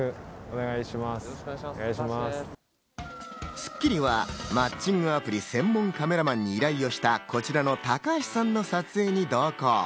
『スッキリ』は、マッチングアプリ専門カメラマンに依頼をした、こちらの高橋さんの撮影に同行。